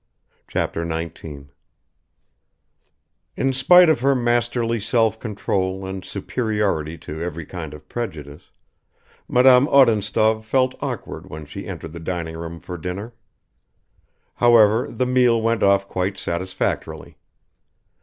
Chapter 19 IN SPITE OF HER MA5TERLY SELF CONTROL AND SUPERIORITY TO every kind of prejudice, Madame Odintsov felt awkward when she entered the dining room for dinner. However, the meal went off quite satisfactorily.